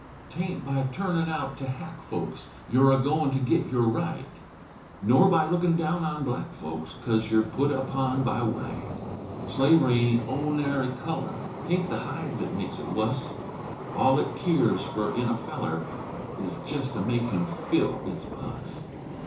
'Taint by turnin' out to hack folks You're agoin' to git your right, Nor by lookin' down on black folks Coz you're put upon by wite; Slavery aint o' nary color, 'Taint the hide thet makes it wus, All it keers fer in a feller 'S jest to make him fill its pus.